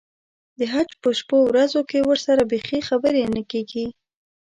د حج په شپو ورځو کې ورسره بیخي خبرې نه کېږي.